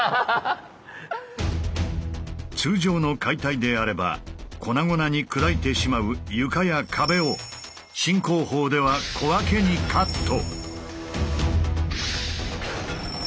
通常の解体であれば粉々に砕いてしまう床や壁を新工法では小分けにカット。